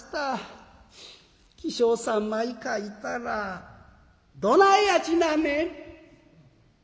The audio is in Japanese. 起請３枚書いたらどないやちなんねん！」。